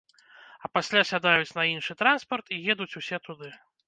А пасля сядаюць на іншы транспарт і едуць усе туды!